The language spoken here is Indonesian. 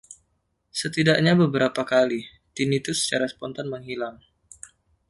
Setidaknya beberapa kali, tinnitus secara spontan menghilang.